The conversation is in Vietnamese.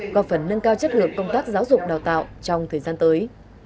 có phần nâng cao chất lượng công tác giáo dục đào tạo trong thời gian tới